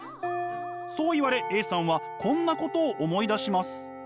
そう言われＡさんはこんなことを思い出します。